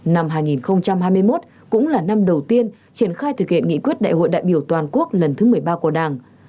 năm hai nghìn hai mươi một cũng là năm đầu tiên triển khai thực hiện nghị quyết đại hội đại biểu toàn quốc lần thứ một mươi ba của đảng